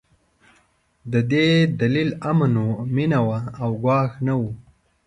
د دې دلیل امن و، مينه وه او ګواښ نه و.